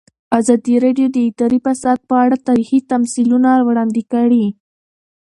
ازادي راډیو د اداري فساد په اړه تاریخي تمثیلونه وړاندې کړي.